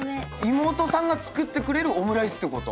妹さんが作ってくれるオムライスってこと？